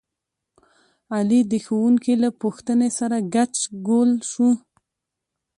علي د ښوونکي له پوښتنې سره ګچ ګول شو.